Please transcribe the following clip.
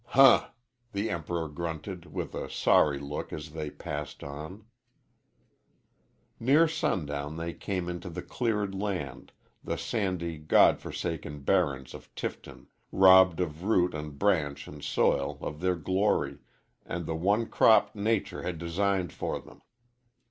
"Huh!" the Emperor grunted, with a sorry look as they passed on. Near sundown they came into the cleared land the sandy, God forsaken barrens of Tifton, robbed of root and branch and soil, of their glory, and the one crop nature had designed for them.